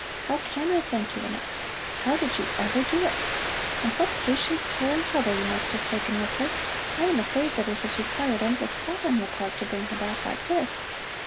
How can I thank you enough? How did you ever do it? And what patience, care and trouble you must have taken with her. I am afraid that it has required endless thought on your part to bring her back like this."